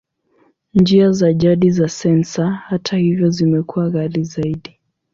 Njia za jadi za sensa, hata hivyo, zimekuwa ghali zaidi.